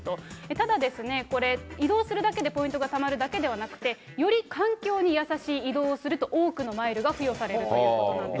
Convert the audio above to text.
ただ、これ、移動するだけでポイントがたまるだけではなくて、より環境に優しい移動をすると、多くのマイルが付与されるということなんです。